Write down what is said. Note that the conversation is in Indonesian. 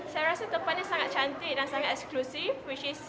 saya rasa tempatnya sangat cantik dan sangat eksklusif